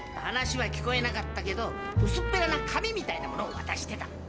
話は聞こえなかったけどうすっぺらな紙みたいなものをわたしてた。